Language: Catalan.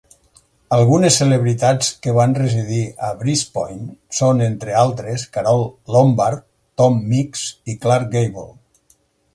Algunes celebritats que van residir a Breezy Point són, entre altres, Carole Lombard, Tom Mix i Clark Gable.